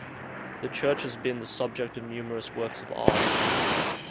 The church has been the subject of numerous works of art.